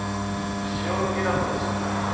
潮時だとおっしゃいますか？